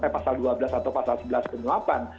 pasal dua belas atau pasal sebelas penyuapan